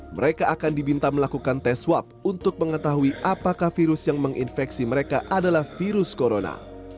mereka akan dibinta melakukan tes swab untuk mengetahui apakah virus yang menginfeksi mereka adalah virus corona